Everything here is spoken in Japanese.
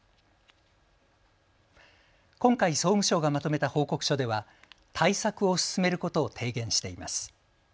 今回、総務省がまとめた報告書では対策を進めることを提言しています。